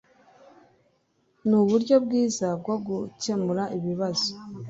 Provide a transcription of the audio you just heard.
Nuburyo bwiza bwo gukemura ikibazo